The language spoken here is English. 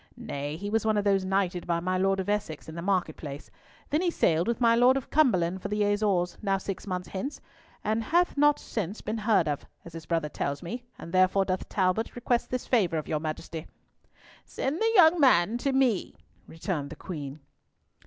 Nay, he was one of those knighted by my Lord of Essex in the market place. Then he sailed with my Lord of Cumberland for the Azores, now six months since, and hath not since been heard of, as his brother tells me, and therefore doth Talbot request this favour of your Majesty." "Send the young man to me," returned the Queen.